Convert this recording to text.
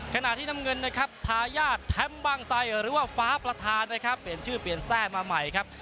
ขณะที่น้ำเงินนะครับทายาทแทม์บางไซหรือว่าฟ้าประธานนะครับเปลี่ยนชื่อเปลี่ยนแทร่มาใหม่ครับ